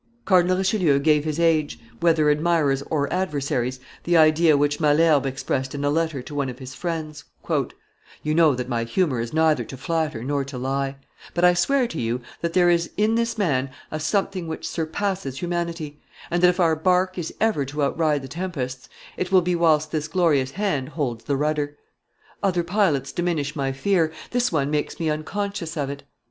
Cardinal Richelieu gave his age, whether admirers or adversaries, the idea which Malherbe expressed in a letter to one of his friends: "You know that my humor is neither to flatter nor to lie; but I swear to you that there is in this man a something which surpasses humanity, and that if our bark is ever to outride the tempests, it will be whilst this glorious hand holds the rudder. Other pilots diminish my fear, this one makes me unconscious of it.